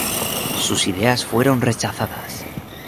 Sus ideas fueron rechazadas.